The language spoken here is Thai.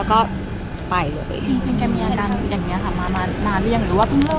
ภาษาสนิทยาลัยสุดท้าย